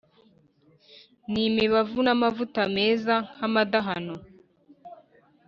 n’imibavu n’amavuta meza nk’amadahano,